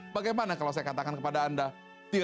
bagaimana kalau saya katakan kepada anda